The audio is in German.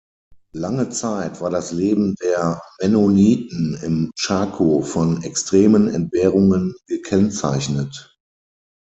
Lange Zeit war das Leben der Mennoniten im Chaco von extremen Entbehrungen gekennzeichnet.